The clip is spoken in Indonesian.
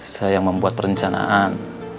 saya yang membuat perencanaan